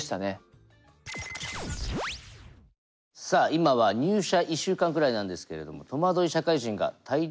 さあ今は入社１週間くらいなんですけれどもとまどい社会人が大量発生していると思うんですが